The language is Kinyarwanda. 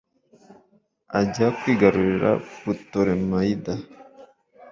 ajya kwigarurira putolemayida